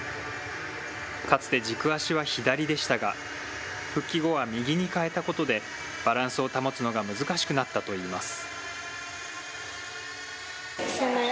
かつて軸足は左でしたが、復帰後は右に変えたことで、バランスを保つのが難しくなったといいます。